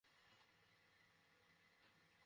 এখনও পর্যাপ্য প্রেশার শিপটা পায়নি।